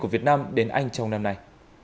việt nam đến anh trong năm nay